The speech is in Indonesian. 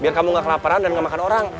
biar kamu gak kelaparan dan gak makan orang